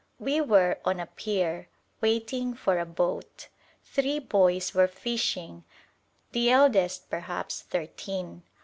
We were on a pier, waiting for a boat. Three boys were fishing, the eldest perhaps thirteen.